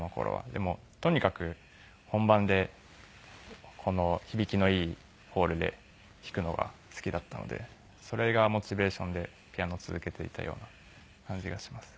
でもとにかく本番で響きのいいホールで弾くのが好きだったのでそれがモチベーションでピアノを続けていたような感じがします。